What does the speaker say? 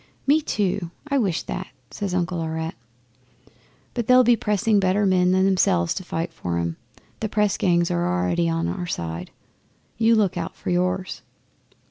'"Me too, I wish that," says Uncle Aurette. "But they'll be pressing better men than themselves to fight for 'em. The press gangs are out already on our side. You look out for yours."